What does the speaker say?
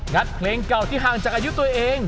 เพลงเก่าที่ห่างจากอายุตัวเอง